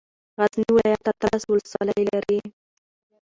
غزني ولايت اتلس ولسوالۍ لري.